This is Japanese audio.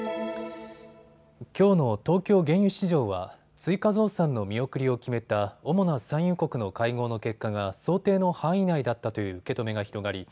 きょうの東京原油市場は追加増産の見送りを決めた主な産油国の会合の結果が想定の範囲内だったという受け止めが広がり